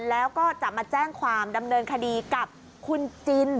แล้วก็จะมาแจ้งความดำเนินคดีกับคุณจิน